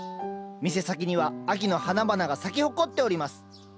店先には秋の花々が咲き誇っております